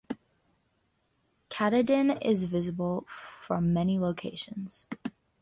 Katahdin is visible from many locations.